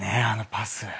あのパス。